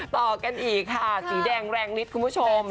ต่อกันอีกค่ะสีแดงแรงฤทธิ์คุณผู้ชม